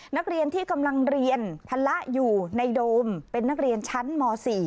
นักเรียนที่กำลังเรียนภาระอยู่ในโดมเป็นนักเรียนชั้นม๔